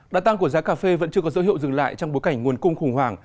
đã tăng của giá cà phê vẫn chưa có dấu hiệu dừng lại trong bối cảnh nguồn cung khủng hoảng